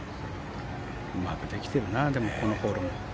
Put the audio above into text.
うまくできてるなでも、このホールも。